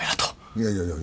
いやいや。